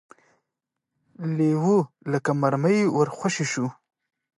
لېوه لکه مرمۍ ور خوشې شو.